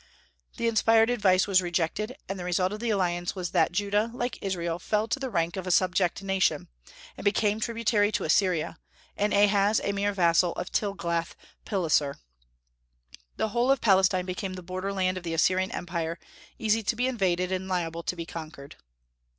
The inspired advice was rejected; and the result of the alliance was that Judah, like Israel, fell to the rank of a subject nation, and became tributary to Assyria, and Ahaz, a mere vassal of Tiglath pileser. The whole of Palestine became the border land of the Assyrian empire, easy to be invaded and liable to be conquered.